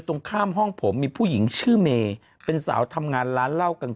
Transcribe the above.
ตรงข้ามห้องผมมีผู้หญิงชื่อเมย์เป็นสาวทำงานร้านเหล้ากลาง